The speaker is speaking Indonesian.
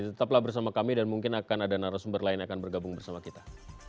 tetaplah bersama kami dan mungkin akan ada narasumber lain yang akan bergabung bersama kita